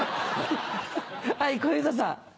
はい小遊三さん。